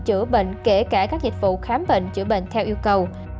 chữa bệnh kể cả các dịch vụ khám bệnh chữa bệnh theo yêu cầu